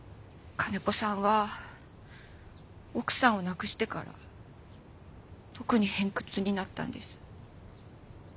金子さんは奥さんを亡くしてから特に偏屈になったんです。